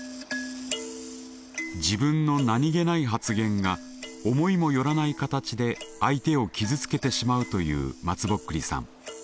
自分の何気ない発言が思いも寄らない形で相手を傷つけてしまうというまつぼっくりさん。